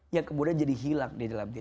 yang kemudian jadi hilang